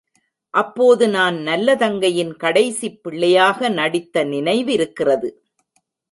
அப்போது நான் நல்லதங்கையின் கடைசிப் பிள்ளையாக நடித்த நினைவிருக்கிறது.